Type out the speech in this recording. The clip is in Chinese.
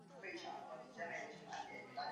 古培雷火山遗骸目前仍在火山北部。